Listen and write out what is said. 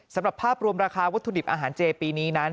สำหรับภาพรวมราคาวัตถุดิบอาหารเจปีนี้นั้น